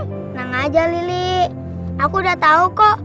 senang aja lili aku udah tau kok